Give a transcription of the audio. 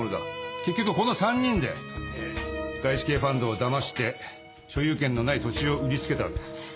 結局この３人で外資系ファンドをだまして所有権のない土地を売りつけたわけです。